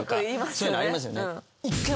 そういうのありますよね。